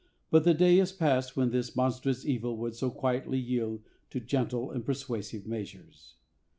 But the day is past when this monstrous evil would so quietly yield to gentle and persuasive measures.